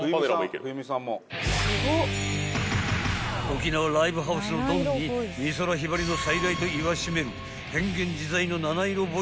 ［沖縄ライブハウスのドンに美空ひばりの再来と言わしめる］